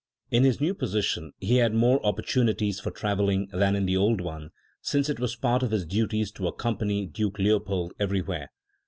In his new position he had more opport unities for travelling than in the old one, since it was part of Ms duties to accompany Duke Leopold everywhere.